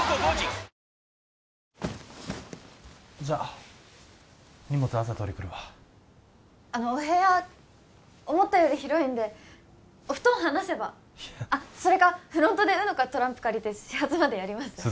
じゃあ荷物朝取りに来るわあのお部屋思ったより広いんでお布団離せばいやそれかフロントでＵＮＯかトランプ借りて始発までやります？